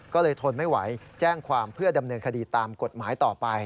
ก็เลยทนไม่ไหวแจ้งความเพื่อดำเนินคดีตามกฎหมายต่อไป